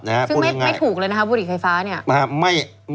ไม่ถูกเลยนะครับบุหรี่ไฟฟ้า